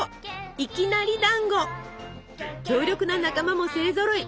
強力な仲間も勢ぞろい！